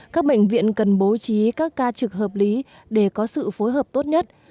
các bệnh viện cần bố trí các ca trực hợp lý để có sự phối hợp tốt nhất